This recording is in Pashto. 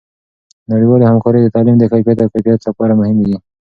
نړیوالې همکارۍ د تعلیم د کیفیت او کمیت لپاره مهمې دي.